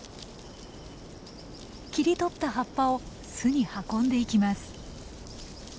切り取った葉っぱを巣に運んでいきます。